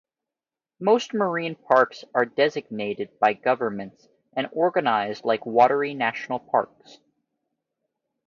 Most marine parks are designated by governments, and organized like 'watery' national parks.